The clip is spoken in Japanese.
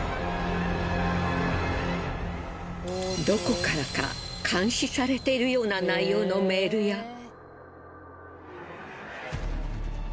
どこからか監視されているような内容のメールや。